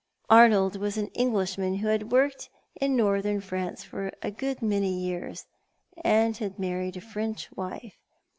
" Arnold was an Englishman who had worked in Northern France for a good many years, and had married a French wife.